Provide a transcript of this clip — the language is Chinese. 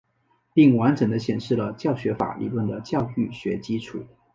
并完整地显示了教学法理论的教育学基础。